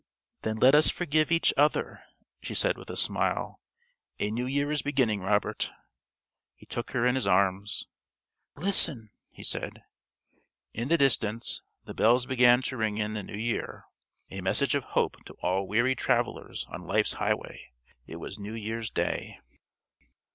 "Then let us forgive each other," she said with a smile. "A new year is beginning, Robert!" He took her in his arms. "Listen," he said. In the distance the bells began to ring in the New Year. A message of hope to all weary travellers on life's highway. It was New Year's Day!